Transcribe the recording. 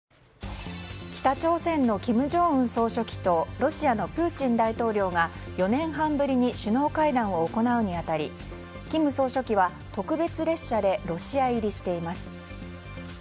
北朝鮮の金正恩総書記とロシアのプーチン大統領が４年半ぶりに首脳会談を行うに当たり金総書記は特別列車でロシア入りしています。